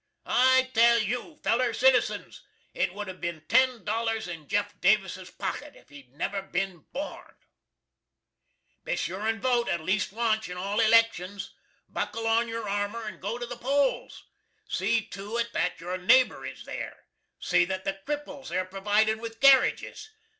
I tell you, feller citizens, it would have bin ten dollars in Jeff Davis's pocket if he'd never bin born! Be shure and vote at leest once at all elecshuns. Buckle on yer armer and go to the Poles. See two it that your naber is there. See that the kripples air provided with carriages.